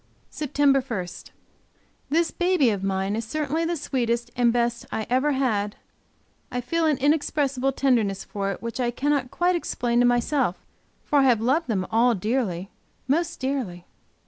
SEPTEMBER 1. This baby of mine, is certainly the sweetest and best I ever had I feel an inexpressible tenderness for it, which I cannot quite explain to myself, for I have loved them all dearly, most dearly.